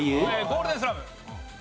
ゴールデンスラム。